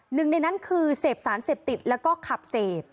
หนึ่งในนั้นคือเสพสารเสพติดแล้วก็ขับเสพ